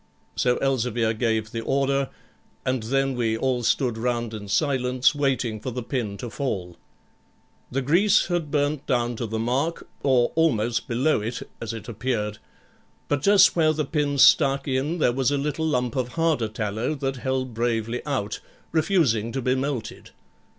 So Elzevir gave the order, and then we all stood round in silence, waiting for the pin to fall. The grease had burnt down to the mark, or almost below it, as it appeared; but just where the pin stuck in there was a little lump of harder tallow that held bravely out, refusing to be melted.